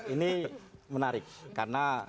ini menarik karena